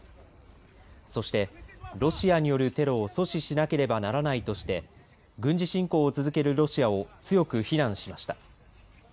そして、ロシアによるテロを阻止しなければならないとして軍事侵攻を続けるロシアを強く非難しました。